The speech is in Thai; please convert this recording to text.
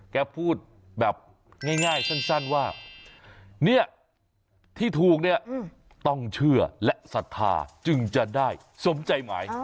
แกพูดแบบง่ายสั้นว่าเนี่ยที่ถูกเนี่ยต้องเชื่อและศรัทธาจึงจะได้สมใจหมาย